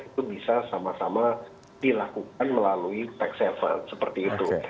itu bisa sama sama dilakukan melalui tax haven seperti itu